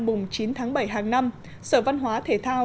mùng chín tháng bảy hàng năm sở văn hóa thể thao